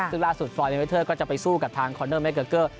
ซึ่งล่าสุดฟรอยเมเทอร์ก็จะไปสู้กับทางคอนเนอร์เมเกอร์เกอร์